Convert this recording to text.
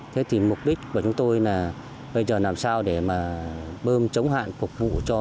thế thì mục đích của chúng tôi là bây giờ làm sao để mà bơm chống hạn phục vụ cho